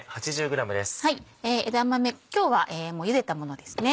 枝豆今日はゆでたものですね。